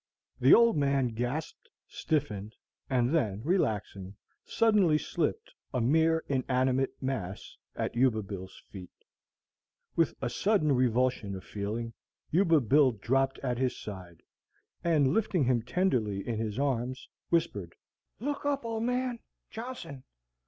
The old man gasped, stiffened, and then, relaxing, suddenly slipped, a mere inanimate mass, at Yuba Bill's feet. With a sudden revulsion of feeling, Yuba Bill dropped at his side, and, lifting him tenderly in his arms, whispered, "Look up, old man, Johnson!